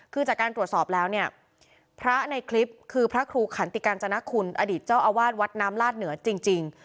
คือจากการตรวจสอบแล้วเนี่ยพระในคลิปคือพระครูขันติกาญจนคุณอดีตเจ้าอาวาสวัดน้ำลาดเหนือจริง